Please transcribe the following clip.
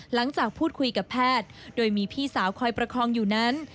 หลังจากพูดคุยกับแพทย์โดยมีพี่สาวคอยประคองอยู่นั้น